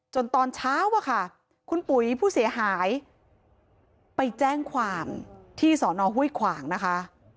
ตอนเช้าอะค่ะคุณปุ๋ยผู้เสียหายไปแจ้งความที่สอนอห้วยขวางนะคะ